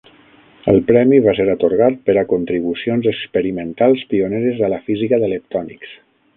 El premi va ser atorgat "per a contribucions experimentals pioneres a la física de leptònics".